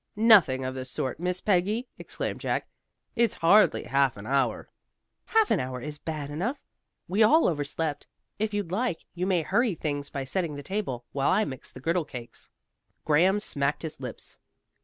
"Nothing of the sort, Miss Peggy," exclaimed Jack. "It's hardly half an hour." "Half an hour is bad enough. We all overslept. If you'd like, you may hurry things by setting the table, while I mix the griddle cakes." Graham smacked his lips.